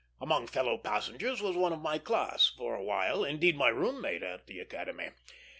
Among fellow passengers was one of my class; for a while, indeed, my room mate at the Academy.